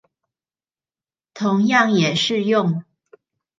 同樣也適用